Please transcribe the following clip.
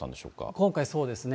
今回、そうですね。